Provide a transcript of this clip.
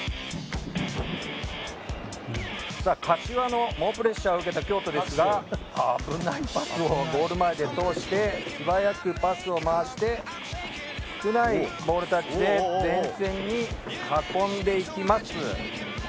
柏の猛プレッシャーを受けた京都ですが危ないパスをゴール前で通して素早くパスを回して少ないボールタッチで前線に運んでいきます。